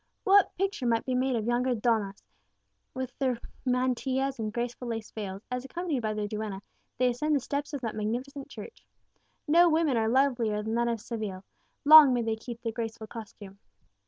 What a picture might be made of yonder donnas, with their mantillas and graceful lace veils, as, accompanied by their duenna, they ascend the steps of that magnificent church! No women are lovelier than those of Seville, long may they keep their graceful costume!